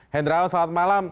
hendrawan selamat malam